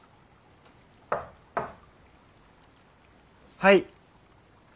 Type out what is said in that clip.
はい。